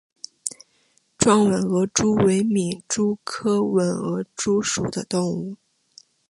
壮吻额蛛为皿蛛科吻额蛛属的动物。